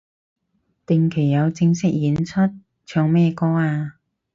定期有正式演出？唱咩歌啊